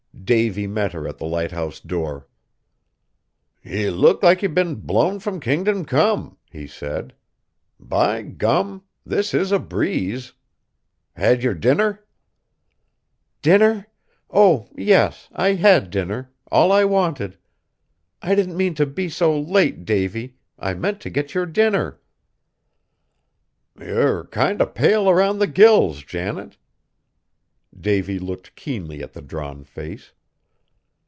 Davy met her at the lighthouse door. "Ye look like ye'd been blown from kingdom come!" he said; "by gum! this is a breeze. Had yer dinner?" "Dinner? Oh! yes. I had dinner all I wanted. I didn't mean to be so late, Davy, I meant to get your dinner!" "Yer kinder pale round the gills, Janet." Davy looked keenly at the drawn face.